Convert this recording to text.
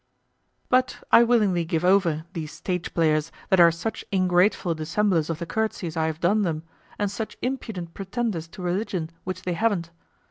But I willingly give over these stage players that are such ingrateful dissemblers of the courtesies I have done them and such impudent pretenders to religion which they haven't.